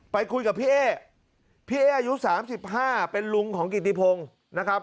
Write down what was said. ไปคุยกับพี่เอ๊พี่เอ๊อายุ๓๕เป็นลุงของกิติพงศ์นะครับ